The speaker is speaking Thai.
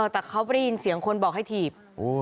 แต่เขาไม่ได้ยินเสียงคนบอกให้ถีบ